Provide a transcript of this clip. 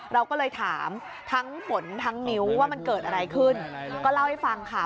เราก็เลยถามทั้งฝนทั้งมิ้วว่ามันเกิดอะไรขึ้นก็เล่าให้ฟังค่ะ